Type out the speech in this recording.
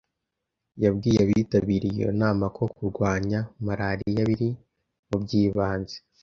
yabwiye abitabiriye iyo nama ko kurwanya Malariya biri mu by’ibanze